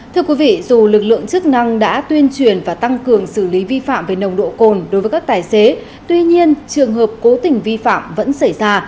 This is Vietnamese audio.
thưa quý vị dù lực lượng chức năng đã tuyên truyền và tăng cường xử lý vi phạm về nồng độ cồn đối với các tài xế tuy nhiên trường hợp cố tình vi phạm vẫn xảy ra